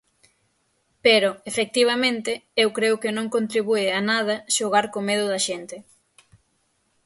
Pero, efectivamente, eu creo que non contribúe a nada xogar co medo da xente.